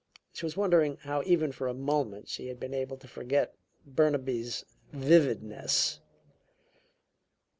She was wondering how even for a moment she had been able to forget Burnaby's vividness.